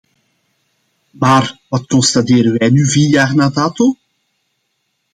Maar, wat constateren wij nu vier jaar na dato?